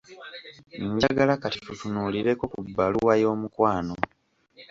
Njagala kati tutunuulireko ku bbaluwa y'omukwano.